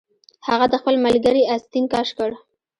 هغه د خپل ملګري آستین کش کړ